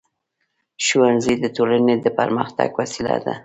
ښوونځی د ټولنې د پرمختګ وسیله ده.